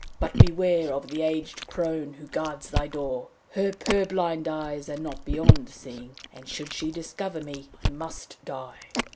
But beware of the aged crone who guards thy door! Her purblind eyes are not beyond seeing, and should she discover me I must die.'